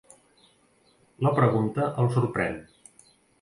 La pregunta el sorprèn.